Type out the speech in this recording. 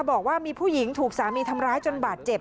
บอกว่ามีผู้หญิงถูกสามีทำร้ายจนบาดเจ็บ